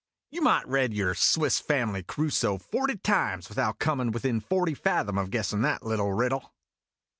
"You might read your 'Swiss Family Crusoe' forty times without comin' within forty fathom of guessin' that little riddle."